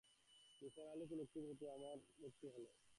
নিসার আলি লোকটির প্রতি আমার ভক্তি হল।